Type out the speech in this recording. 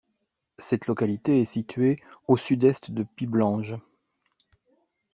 Cette localité est située au sud-est de Piblange.